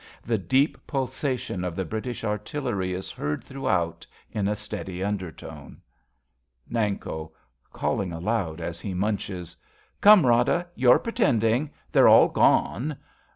The deep pulsation of the British artillery is heard throughout, in a steady undertone.) 66 A BELGIAN CHRISTMAS EVE Nanko {calling aloud as he munches). Come, Rada, you're pretending. They're all gone.